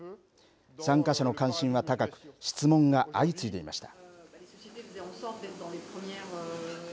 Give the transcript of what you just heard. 参加者の関心は高く質問が相次いでいました。